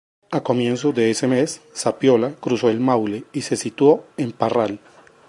A comienzos de ese mes Zapiola cruzó el Maule y se situó en Parral.